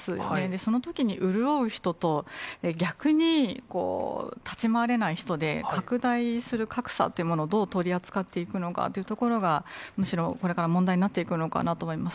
そのときに、潤う人と逆に立ち回れない人で拡大する格差というものをどう取り扱っていくかというところが、むしろこれから問題になっていくのかなと思います。